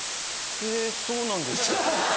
へぇそうなんですか。